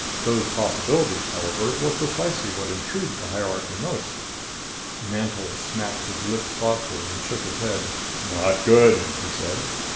Those possibilities, however, were precisely what intrigued the hierarchy most. Mantelish smacked his lips thoughtfully and shook his head. "Not good!" he said.